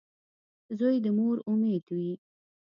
• زوی د مور امید وي.